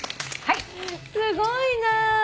すごいな。